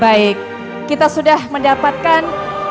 baik kita sudah mendapatkan